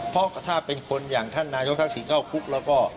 เพราะถ้าเป็นคนอย่างท่านนายกทักษิณเข้าคุกแล้วก็